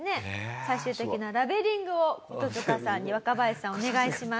最終的なラベリングをコトヅカさんに若林さんお願いします。